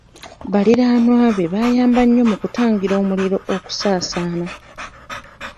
Baliraanwa be baayamba nnyo mu kutangira omuliro okusaasaana.